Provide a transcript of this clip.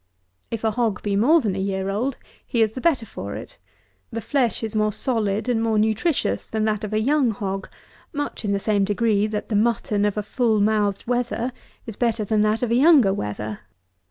If a hog be more than a year old, he is the better for it. The flesh is more solid and more nutritious than that of a young hog, much in the same degree that the mutton of a full mouthed wether is better than that of a younger wether.